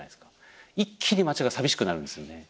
一気に街が寂しくなるんですよね。